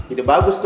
ide bagus tuh